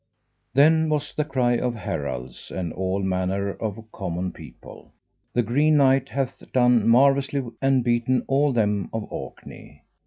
Then was the cry of heralds and all manner of common people: The Green Knight hath done marvellously, and beaten all them of Orkney.